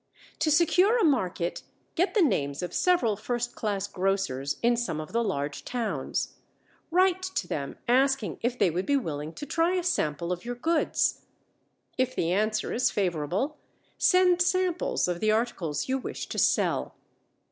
To secure a market get the names of several first class grocers in some of the large towns. Write to them asking if they would be willing to try a sample of your goods. If the answer is favorable, send samples of the articles you wish to sell.